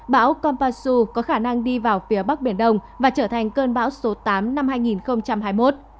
bão kompasu có khả năng đi vào phía bắc biển đông và trở thành cơn bão số tám năm hai nghìn hai mươi một